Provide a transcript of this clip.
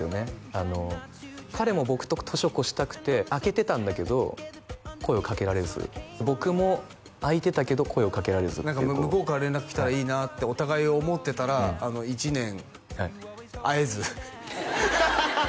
あの彼も僕と年を越したくて空けてたんだけど声をかけられず僕も空いてたけど声をかけられず何か向こうから連絡が来たらいいなってお互い思ってたら１年会えずハハハ！